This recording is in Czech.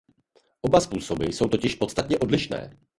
Oba způsoby jsou totiž podstatně odlišné.